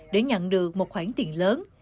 để nhận được một khoản tiền lớn